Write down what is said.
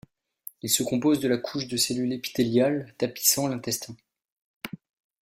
Il se compose de la couche de cellules épithéliales tapissant l'intestin.